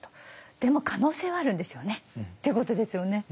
でも可能性はあるんですよねってことですよね。